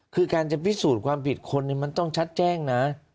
คือการจะพิสูจน์ความผิดคนมันต้องชัดแจ้งนะ